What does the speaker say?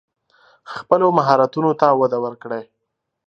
خپلو مهارتونو ته وده ورکړئ.